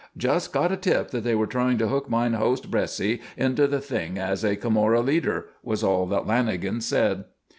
"Just got a tip that they are trying to hook mine host Bresci into the thing as a Camorra leader," was all that Lanagan said.